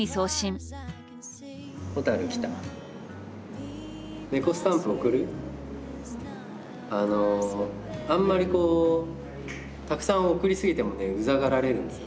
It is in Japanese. あんまりこうたくさん送り過ぎてもねうざがられるんですよ。